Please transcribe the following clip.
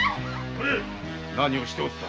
何をしておった。